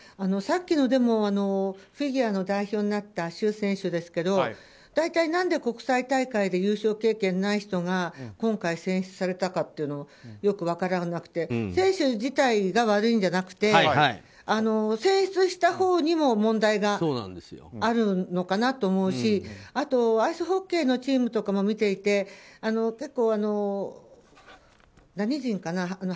さっきのフィギュアの代表になったシュ選手ですけど大体、何で国際大会で優勝経験がない人が今回選出されたかというのもよく分からなくて選手自体が悪いんじゃなくて選出したほうにも問題があるのかなと思うしあと、アイスホッケーのチームとかも見ていて結構、何人かな。